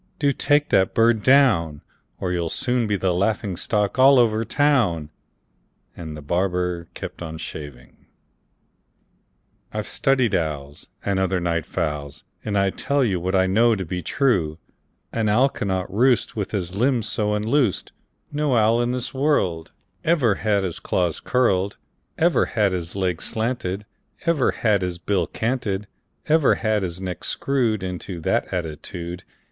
Do take that bird down, Or you'll soon be the laughing stock all over town!" And the barber kept on shaving. "I've studied owls, And other night fowls, And I tell you What I know to be true: An owl cannot roost With his limbs so unloosed; No owl in this world Ever had his claws curled, Ever had his legs slanted, Ever had his bill canted, Ever had his neck screwed Into that attitude.